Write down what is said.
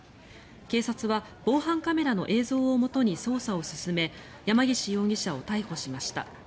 警察は防犯カメラの映像をもとに捜査を進め山岸容疑者を逮捕しました。